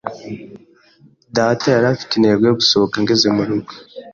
Data yari afite intego yo gusohoka ngeze murugo.